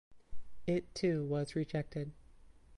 It too was rejected.